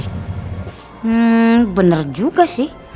hmm bener juga sih